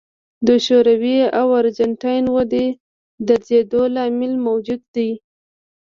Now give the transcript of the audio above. د شوروي او ارجنټاین ودې درېدو لامل موجودیت دی.